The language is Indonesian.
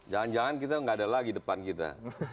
jangan jangan kita nggak ada lagi depan kita